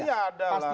ya pasti ya ada lah